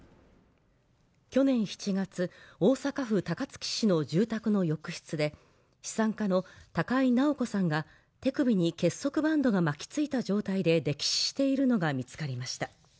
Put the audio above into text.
去年７月、大阪府高槻市の住宅の浴室で資産家の高井直子さんが手首に結束バンドが巻きついた状態で溺死しているのが見つかりました。